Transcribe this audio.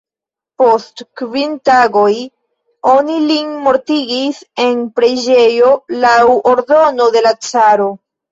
Post kvin tagoj oni lin mortigis en preĝejo, laŭ ordono de la caro.